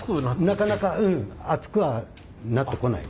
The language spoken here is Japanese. なかなか熱くはなってこない。